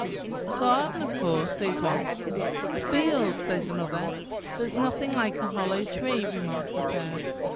"A garden, of course," says one. "A field," says another. "There is nothing like a hollow tree," remarked a third.